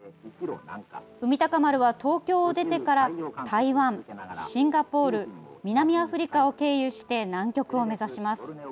「海鷹丸」は東京を出てから台湾、シンガポール南アフリカを経由して南極を目指します。